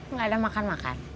nggak ada makan makan